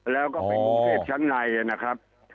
แล้วก็เป็นกรุงเทพชั้นในนะครับ